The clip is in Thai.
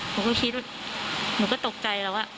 หนูก็คิดว่าหนูก็ตกใจแล้วว่า